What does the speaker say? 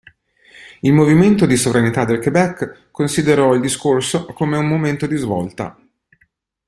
Il movimento di sovranità del Québec considerò il discorso come un momento di svolta.